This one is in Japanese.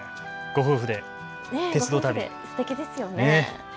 ご夫婦で鉄道旅、すてきですよね。